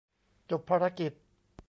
จบภารกิจ